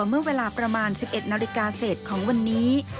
เมื่อเวลาประมาณ๑๑นาฬิกาเศษของวันนี้